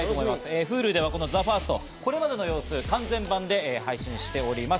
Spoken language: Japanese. ＨｕｌｕではＴＨＥＦＩＲＳＴ、これまでの模様を完全版で配信しております。